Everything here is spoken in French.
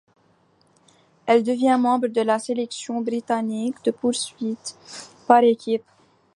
Elle devient membre de la sélection britannique de poursuite par équipes.